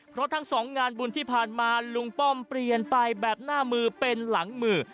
เพราะทั้งสองงานบุญที่ผ่านมาลุงป้อมเปลี่ยนไปแบบหน้ามือเป็นหลังมือ